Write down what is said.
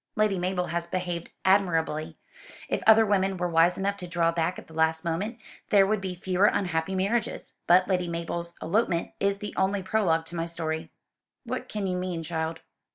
"Lady Mabel has behaved admirably. If other women were wise enough to draw back at the last moment there would be fewer unhappy marriages. But Lady Mabel's elopement is only the prologue to my story." "What can you mean, child?"